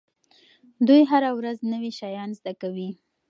دوی هره ورځ نوي شیان زده کوي.